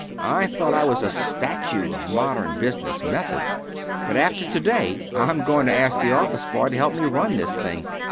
I thought I was a statue of modern business methods, but after to day I'm going to ask the office boy to help me run this thing.